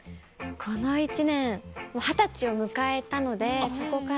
この１年二十歳を迎えたのでそこから。